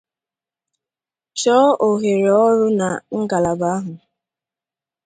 chọọ òhère ọrụ na ngalabà ahụ